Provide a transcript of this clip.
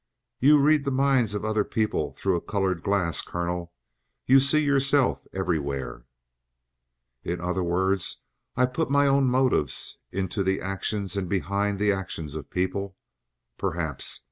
"You read the minds of other people through a colored glass, colonel. You see yourself everywhere." "In other words I put my own motives into the actions and behind the actions of people? Perhaps.